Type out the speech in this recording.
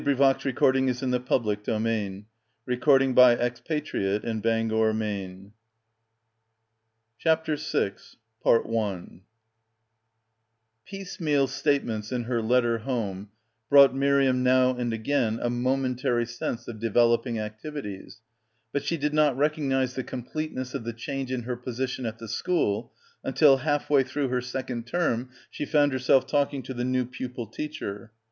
But why must I be one of the ones to give everything up? Why do you make me suffer so? 157 CHAPTER VI PIECEMEAL statements in her letter home brought Miriam now and again a momen tary sense of developing activities, but she did not recognise the completeness of the change in her position at the school until half way through her second term she found herself talking to the new pupil teacher.